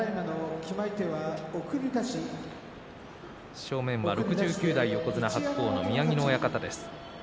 正面は６９代横綱白鵬の宮城野親方です。